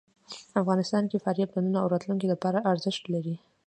افغانستان کې فاریاب د نن او راتلونکي لپاره ارزښت لري.